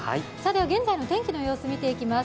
現在の天気の様子、見ていきます。